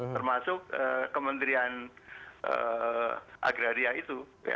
termasuk kementerian agraria itu